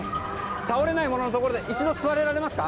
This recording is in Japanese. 倒れないもののところで一度座れられますか。